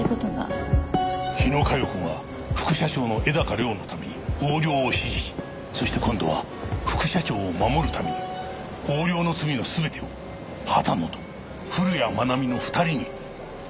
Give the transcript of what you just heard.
日野佳代子が副社長の絵高良のために横領を指示しそして今度は副社長を守るために横領の罪の全てを畑野と古谷愛美の２人に着せようとしていたとしたら。